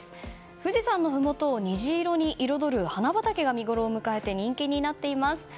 富士山のふもとを虹色に彩る花畑が見ごろを迎えて人気になっています。